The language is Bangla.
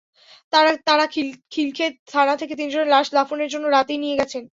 তাঁরা খিলক্ষেত থানা থেকে তিনজনের লাশ দাফনের জন্য রাতেই নিয়ে গেছেন।